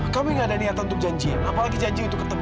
kami gak ada niatan untuk janjian apalagi janji untuk ketemu